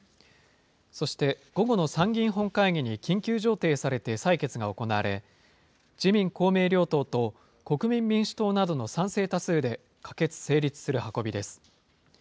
そして、午後の参議院本会議に緊急上程されて採決が行われ、自民、公明両党と国民民主党などの賛成多数で、可決・成立する運びです。